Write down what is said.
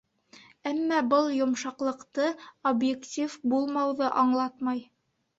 Әммә был йомшаҡлыҡты, объектив булмауҙы аңлатмай.